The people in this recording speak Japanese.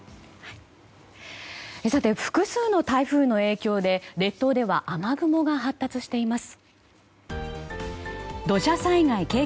さて、複数の台風の影響で列島では雨雲が発達しています。